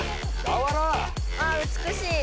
あ美しい。